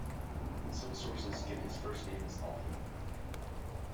Some sources give his first name as Alton.